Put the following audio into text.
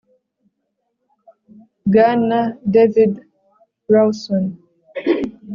bwana david rawson.